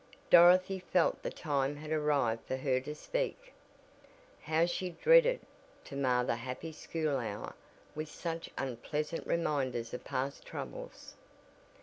Dorothy felt the time had arrived for her to speak. How she dreaded to mar that happy school hour with such unpleasant reminders of past troubles!